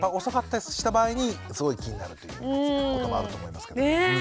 遅かったりした場合にすごい気になるということもあると思いますけども。